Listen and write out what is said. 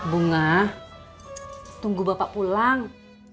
bunga tunggu bapak pulang